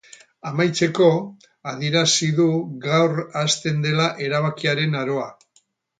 Amaitzeko, adierazi du gaur hasten dela erabakiaren aroa.